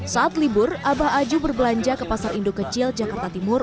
saat libur abah aju berbelanja ke pasar indo kecil jakarta timur